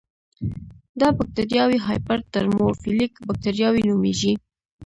دا بکټریاوې هایپر ترموفیلیک بکټریاوې نومېږي.